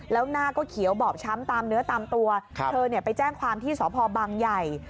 แล้วหน้าก็เขียวบอบช้ำตามเนื้อตามตัวเธอไปแจ้งความที่สพบังใหญ่